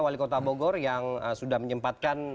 wali kota bogor yang sudah menyempatkan